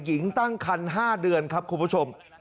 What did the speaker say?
หญิงตั้งคัน๕เดือนครับคุณผู้ชม